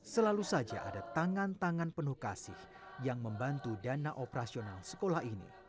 selalu saja ada tangan tangan penuh kasih yang membantu dana operasional sekolah ini